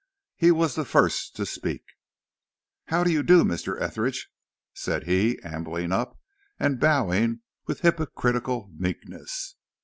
He was the first to speak. "How do you do, Mr. Etheridge?" said he, ambling up, and bowing with hypocritical meekness.